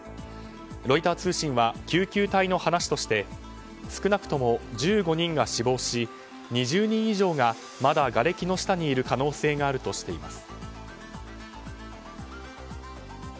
ロイター通信は救急隊の話として少なくとも１５人が死亡し２０人以上がまだ、がれきの下にいる可能性があるとしています。